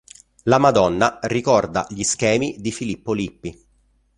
La Madonna ricorda gli schemi di Filippo Lippi.